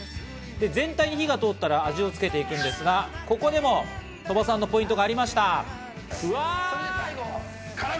全体に火が通ったら味をつけていくんですが、ここでも鳥羽さんのポイントがありました。